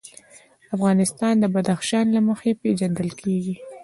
افغانستان د بدخشان له مخې پېژندل کېږي.